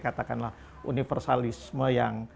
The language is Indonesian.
katakanlah universalisme yang